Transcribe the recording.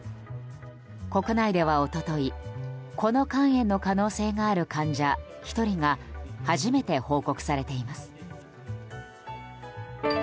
国内では一昨日、この肝炎の可能性がある患者１人が初めて報告されています。